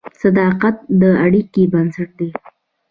صداقت د اړیکو بنسټ دی.